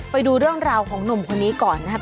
ไปดูเรื่องราวของหนุ่มคนนี้ก่อนนะครับ